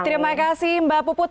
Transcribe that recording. terima kasih mbak puput